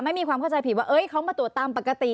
ไม่มีความเข้าใจผิดว่าเขามาตรวจตามปกติ